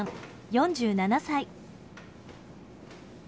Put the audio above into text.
４７歳。